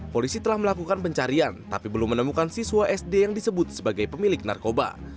polisi telah melakukan pencarian tapi belum menemukan siswa sd yang disebut sebagai pemilik narkoba